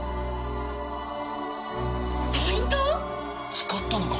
使ったのか？